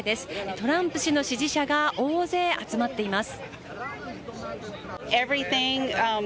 トランプ氏の支持者が大勢集まっています。